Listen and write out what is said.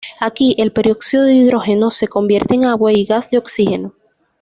Aquí, el peróxido de hidrógeno se convierte en agua y gas de oxígeno.